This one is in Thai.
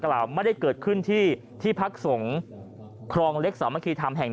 กล่าวไม่ได้เกิดขึ้นที่ที่พักสงฆ์ครองเล็กสามัคคีธรรมแห่ง